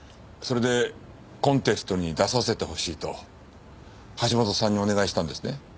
それでコンテストに出させてほしいと橋本さんにお願いしたんですね？